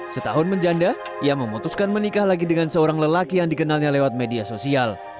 setahun menjanda ia memutuskan menikah lagi dengan seorang lelaki yang dikenalnya lewat media sosial